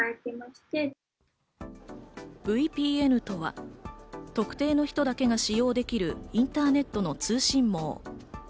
ＶＰＮとは特定の人だけが使用できるインターネットの通信網。